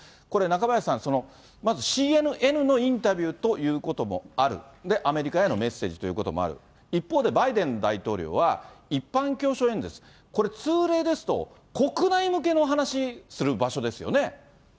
これ、中林さん、まずＣＮＮのインタビューということもある、で、アメリカへのメッセージということもある、一方で、バイデン大統領は一般教書演説、これ、通例ですと国内向けのお話しする場所ですよね。